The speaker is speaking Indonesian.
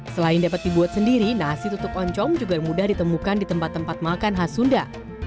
selain dapat dibuat sendiri nasi tutup oncom juga mudah ditemukan di tempat tempat makan khas sunda